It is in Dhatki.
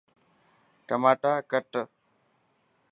ٽماٽا ڪٽ.